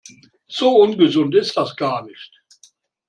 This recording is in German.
So ungesund ist das gar nicht.